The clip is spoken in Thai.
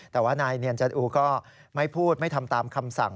แต่ว่านายเนียนจันอูก็ไม่พูดไม่ทำตามคำสั่ง